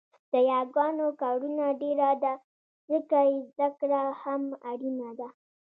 د یاګانو کارونه ډېره ده ځکه يې زده کړه هم اړینه ده